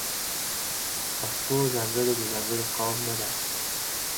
پښتو ځانګړې د ځانګړي قوم نه ده.